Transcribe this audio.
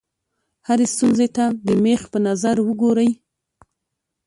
هرې ستونزې ته د مېخ په نظر وګورئ.